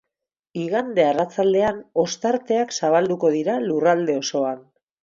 Igande arratsaldean ostarteak zabalduko dira lurralde osoan.